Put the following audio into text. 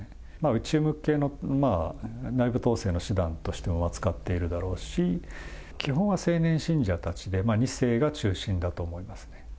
内向けの内部統制の手段としても扱っているだろうし、基本は青年信者たちで、２世が中心だと思いますね。